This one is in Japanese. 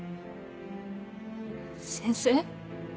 先生